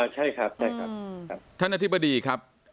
ใช่ครับ